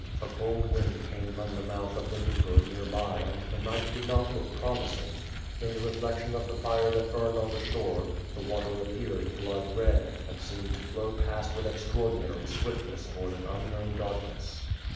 A cold wind came from the mouth of the Dnieper near by and the night did not look promising. In the reflection of the fire that burned on the shore, the water appeared blood red, and seemed to flow past with ex traordinary swiftness towards an unknown darkness.